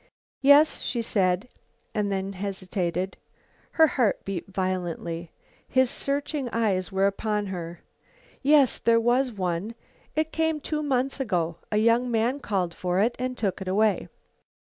"Yes," she said, and then hesitated. Her heart beat violently. His searching eyes were upon her. "Yes, there was one. It came two months ago. A young man called for it and took it away."